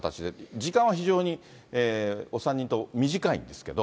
時間は非常にお３人とも短いんですけど。